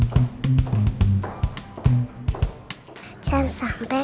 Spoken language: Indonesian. ketemu sama mama